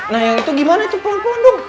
nah yang itu gimana tuh pelan pelan dong